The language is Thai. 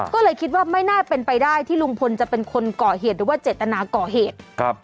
ก็เลยคิดว่าไม่น่าเป็นไปได้ที่ลุงพลจะเป็นคนก่อเหตุหรือว่าเจตนาก่อเหตุ